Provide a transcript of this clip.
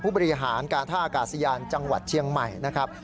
ผู้บริหารการท่าอากาศยานจังหวัดเชียงใหม่นะครับ